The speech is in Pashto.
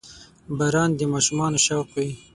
• باران د ماشومانو شوق وي.